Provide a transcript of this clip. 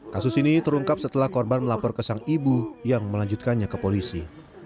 kasus ini terungkap setelah korban melapor ke sang ibu yang melanjutkannya ke polisi